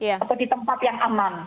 atau di tempat yang aman